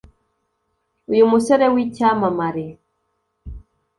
Uyu musore w’icyamamare